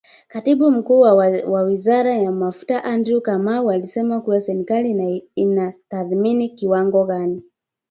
Katibu Mkuu wa Wizara ya Mafuta Andrew Kamau alisema kuwa serikali inatathmini kiwango gani